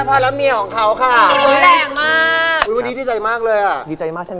กัณฑภัทรและเมียของเขาค่ะวันนี้มีแปลงมากวันนี้ดีใจมากเลยอ่ะ